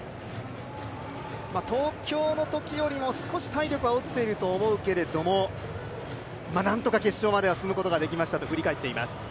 東京のときよりも少し体力は落ちていると思うけれどもなんとか決勝までは進むことができましたと振り返っています。